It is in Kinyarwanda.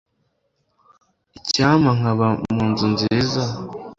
Icyampa nkaba mu nzu nziza